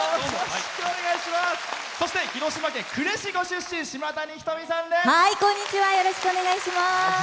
そして、広島県呉市ご出身、島谷ひとみさんです。